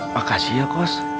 makasih ya kos